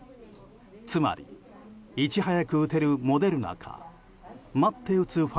つまりいち早く打てるモデルナか待って打つ